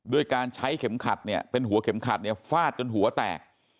ด้วยการใช้เข็มขัดเนี่ยเป็นหัวเข็มขัดเนี่ยฟาดจนหัวแตก